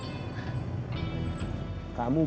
balik lagi jadi anak wakobang